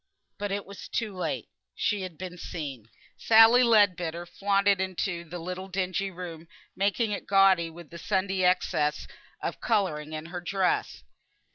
But it was too late. She had been seen. Sally Leadbitter flaunted into the little dingy room, making it gaudy with the Sunday excess of colouring in her dress.